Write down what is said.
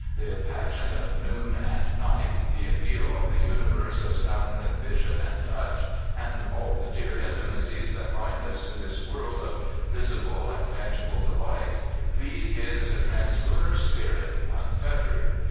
The pageant of noon and night, the appeal of the universe of sound and vision and touch and all the dear intimacies that bind us to this world of visible and 49 Prophets, Priests, and Kings tangible delights leave his translunar spirit unfettered.